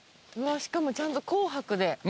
しかもちゃんと紅白で。